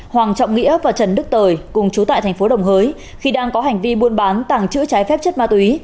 hoàng trọng nghĩa và trần đức tời cùng chú tại tp đồng hới khi đang có hành vi buôn bán tàng chữ trái phép chất ma túy